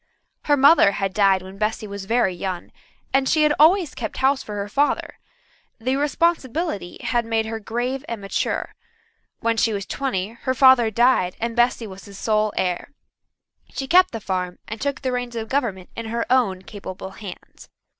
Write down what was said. Her mother had died when Bessy was very young, and she had always kept house for her father. The responsibility made her grave and mature. When she was twenty her father died and Bessy was his sole heir. She kept the farm and took the reins of government in her own capable hands.